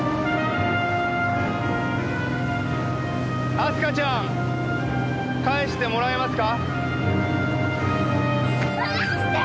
明日香ちゃん返してもらえますか？